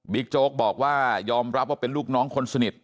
โจ๊กบอกว่ายอมรับว่าเป็นลูกน้องคนสนิท